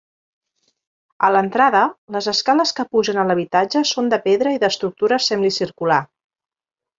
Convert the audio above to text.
A l'entrada, les escales que pugen a l'habitatge, són de pedra i d'estructura semicircular.